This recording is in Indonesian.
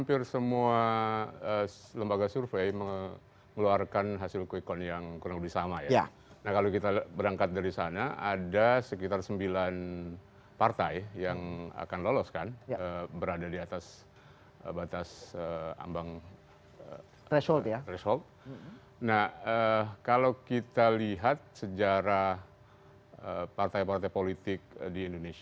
biasa disebut nasionalis